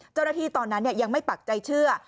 เจ้าหน้าที่ตอนนั้นยังไม่ปักใจเชื่อ